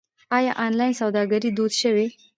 آیا آنلاین سوداګري دود شوې؟